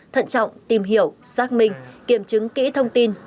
thận trọng tìm hiểu xác minh kiểm chứng kỹ thông tin